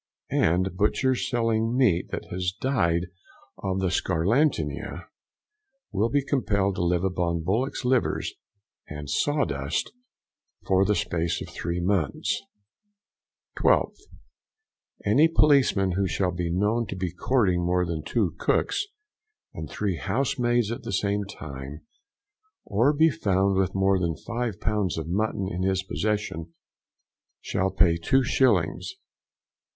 And butchers selling meat that has died of the scarlatina, will be compelled to live upon bullocks' liver and sawdust for the space of three months. 12th. Any policeman who shall be known to be courting more than two cooks and three housemaids at the same time, or be found with more than five pounds of mutton in his possession, shall pay 2s.